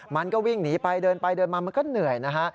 มันก็วิ่งหนีไปเดินไปเดินมามันก็เหนื่อยนะฮะ